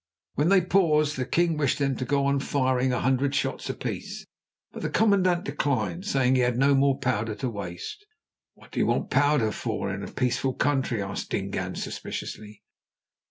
When they paused, the king wished them to go on firing "a hundred shots apiece," but the commandant declined, saying he had no more powder to waste. "What do you want powder for in a peaceful country?" asked Dingaan suspiciously.